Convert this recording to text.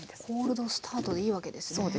コールドスタートでいいわけですね。